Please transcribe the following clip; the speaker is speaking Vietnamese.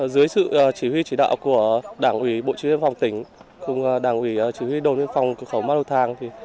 dưới sự chỉ huy chỉ đạo của đảng ủy bộ chí huyên phòng tỉnh cùng đảng ủy chí huy đồn viên phòng cửa khẩu ma lù thàng